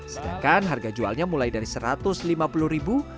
sedangkan harga jualnya mulai dari rp satu ratus lima puluh ribu